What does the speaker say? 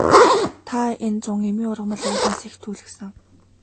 Та энэ зун эмийн ургамал уулнаас их түүлгэсэн.